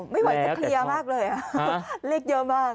ไม่ไหวจะเคลียร์มากเลยเลขเยอะมาก